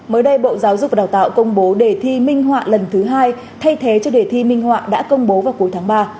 mới đây bộ giáo dục và đào tạo công bố đề thi minh họa lần thứ hai thay thế cho đề thi minh họa đã công bố vào cuối tháng ba